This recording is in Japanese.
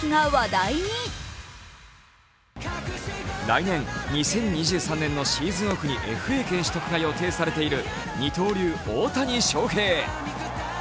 来年、２０２３年のシーズンオフにＦＡ権取得が予定されている二刀流・大谷翔平。